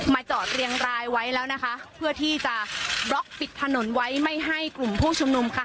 จอดเรียงรายไว้แล้วนะคะเพื่อที่จะบล็อกปิดถนนไว้ไม่ให้กลุ่มผู้ชุมนุมค่ะ